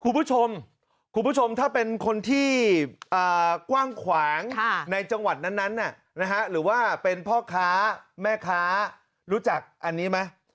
คุณผู้ชมคุณผู้ชมถ้าเป็นคนที่กว้างขวางในจังหวัดนั้นหรือว่าเป็นพ่อค้าแม่ค้ารู้จักอันนี้ไหม